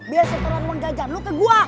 biar setelah lu menggajar lu ke gua